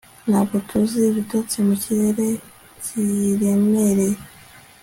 Ntabwo tuzi ibitotsi mu kirere kiremereye